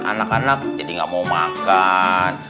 anak anak jadi nggak mau makan